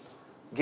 激